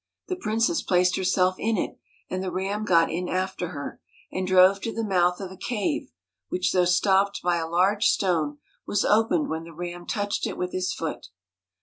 The princess placed herself in it, and the Ram got in after her, and drove to the mouth of a cave, which though stopped by a large stone, was opened when the Ram touched it with his foot.